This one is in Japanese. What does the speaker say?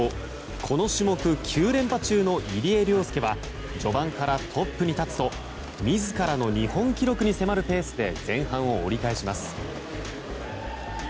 この種目、９連覇中の入江陵介は序盤からトップに立つと自らの日本記録に迫るペースで前半を折り返します。